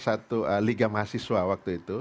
satu liga mahasiswa waktu itu